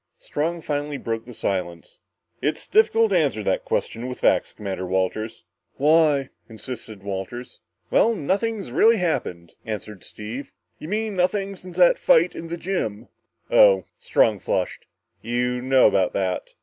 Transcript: Strong finally broke the silence. "It's difficult to answer that question with facts, Commander Walters." "Why?" insisted Walters. "Well, nothing's really happened," answered Steve. "You mean, nothing since the fight in the gym?" "Oh " Strong flushed. "You know about that?"